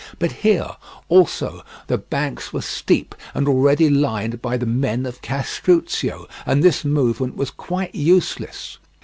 But here, also, the banks were steep and already lined by the men of Castruccio, and this movement was quite useless.